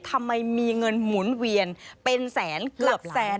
ทำไมมีเงินหมุนเวียนเป็นแสนเกือบแสน